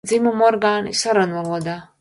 Dzimumorgāni sarunvalodā.